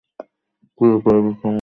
তুই উপরের বিছানায় ঘুমা।